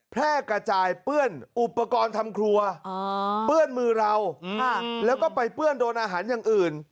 แพร่กระจายเปื้อนอุปกรณ์ทำครัวเปื้อนมือเราแล้วก็ไปเปื้อนโดนอาหารอย่างอื่น